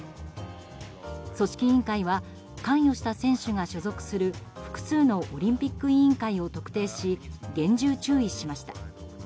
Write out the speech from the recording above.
組織委員会は関与した選手が所属する複数のオリンピック委員会を特定し厳重注意しました。